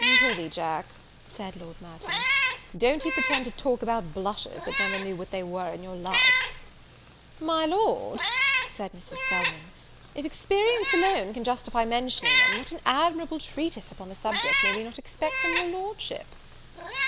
"Prithee, Jack," said Lord Merton, "don't you pretend to talk about blushes, that never knew what they were in your life." "My Lord," said Mrs. Selwyn, "if experience alone can justify mentioning them, what an admirable treatise upon the subject may we not expect from your Lordship!"